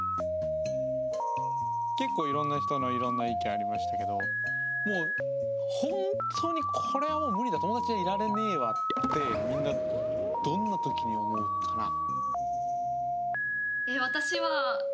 結構いろんな人のいろんな意見ありましたけどもう本当にこれはもう無理だ友達でいられねえわってみんなどんなときに思うかな？